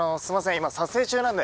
今撮影中なんで。